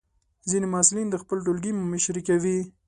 ځینې محصلین د خپل ټولګي مشري کوي.